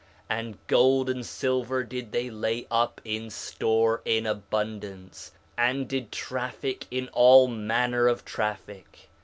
And gold and silver did they lay up in store in abundance, and did traffic in all manner of traffic.